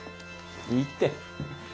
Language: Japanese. いいって。